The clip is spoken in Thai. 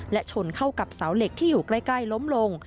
และชนเข้ากับเสาเหล็กที่อยู่ใกล้ล้มลง